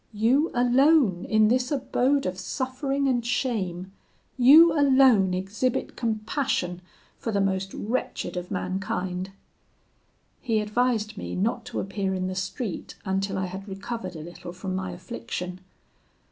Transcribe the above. You alone, in this abode of suffering and shame you alone exhibit compassion for the most wretched of mankind!' He advised me not to appear in the street until I had recovered a little from my affliction.